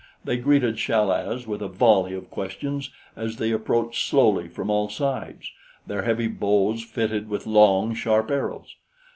They greeted Chal az with a volley of questions as they approached slowly from all sides, their heavy bows fitted with long, sharp arrows.